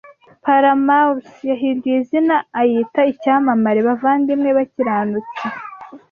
Paramours yahinduye izina ayita icyamamare Bavandimwe bakiranutsi